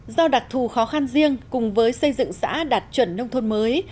do đặc thù khó khăn riêng cùng với xây dựng xã đạt chuẩn nông thôn mới